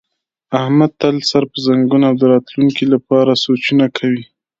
احمد تل سر په زنګون او د راتونکي لپاره سوچونه کوي.